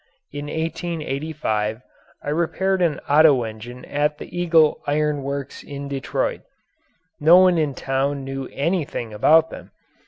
In 1885 I repaired an Otto engine at the Eagle Iron Works in Detroit. No one in town knew anything about them.